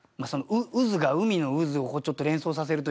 渦が海の渦をちょっと連想させるというか。